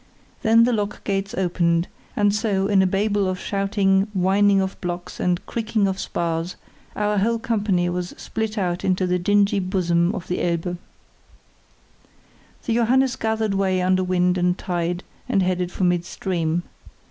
Then the lock gates opened; and so, in a Babel of shouting, whining of blocks, and creaking of spars, our whole company was split out into the dingy bosom of the Elbe. The Johannes gathered way under wind and tide and headed for midstream.